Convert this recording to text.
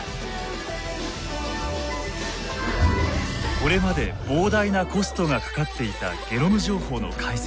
これまで膨大なコストがかかっていたゲノム情報の解析。